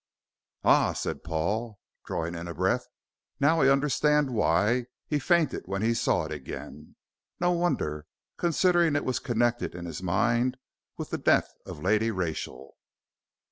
"Ah," said Paul, drawing a breath, "now I understand why he fainted when he saw it again. No wonder, considering it was connected in his mind with the death of Lady Rachel."